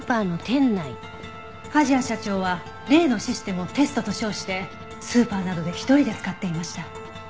梶谷社長は例のシステムをテストと称してスーパーなどで一人で使っていました。